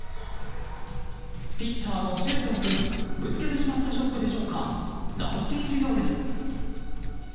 ピッチャーのシェルトン君ぶつけてしまったショックでしょうか泣いているようです。